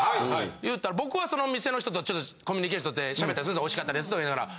言うたら僕はその店の人とちょっとコミュニケーションとって喋ったりする美味しかったですとか言いながら。